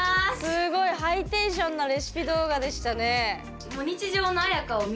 すごいハイテンションなレシピ動画でしたね。